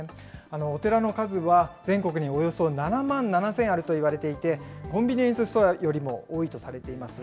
お寺の数は全国におよそ７万７０００あるといわれていて、コンビニエンスストアよりも多いとされています。